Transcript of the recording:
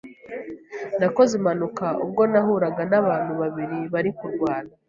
nakoze impanuka ubwo nahuraga n’abanu babiri bari kurwana